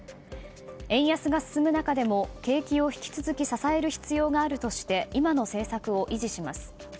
円安が進む中でも景気を引き続き、支える必要があるとして今の政策を維持します。